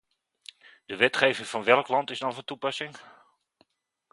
De wetgeving van welk land is dan van toepassing?